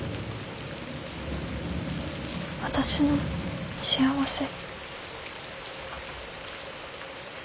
私の幸せ。